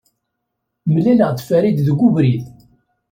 Mlaleɣ-d Farid deg ubrid.